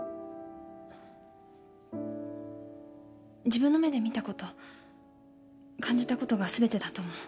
自分の目で見たこと感じたことが全てだと思う。